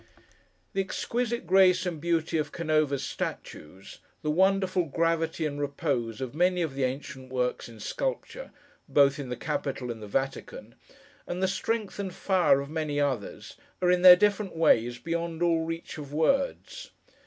The exquisite grace and beauty of Canova's statues; the wonderful gravity and repose of many of the ancient works in sculpture, both in the Capitol and the Vatican; and the strength and fire of many others; are, in their different ways, beyond all reach of words.